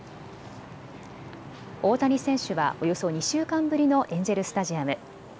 大谷選手は、およそ２週間ぶりのエンジェルスタジアム。